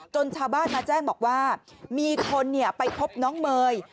ชาวบ้านมาแจ้งบอกว่ามีคนไปพบน้องเมย์